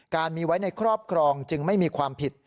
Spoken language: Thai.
การมีไว้ในครอบครองจึงไม่มีความผิด